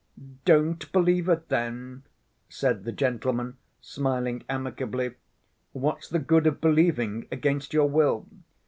"Don't believe it then," said the gentleman, smiling amicably, "what's the good of believing against your will?